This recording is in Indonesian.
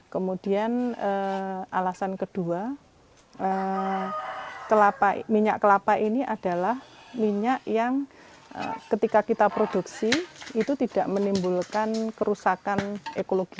kemudian alasan kedua minyak kelapa ini adalah minyak yang ketika kita produksi itu tidak menimbulkan kerusakan ekologi